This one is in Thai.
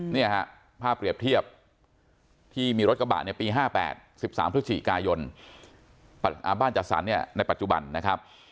นี่ภาพเปรียบเทียบที่มีรถกระบะในปี๕๘๑๓๑๔กายนบ้านจัดสรรในปัจจุบันนะครับ